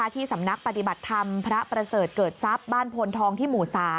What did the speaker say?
ที่สำนักปฏิบัติธรรมพระประเสริฐเกิดทรัพย์บ้านพลทองที่หมู่๓